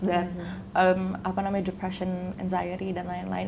dan apa namanya depression anxiety dan lain lain